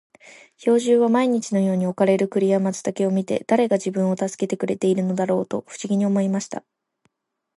兵十は毎日のように置かれる栗や松茸を見て、誰が自分を助けてくれているのだろうと不思議に思いました。